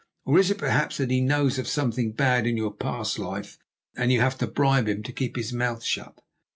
Or is it, perhaps, that he knows of something bad in your past life, and you have to bribe him to keep his mouth shut?"